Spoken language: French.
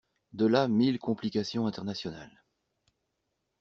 De là mille complications internationales.